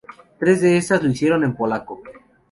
Tres de estas lo hicieron en polaco.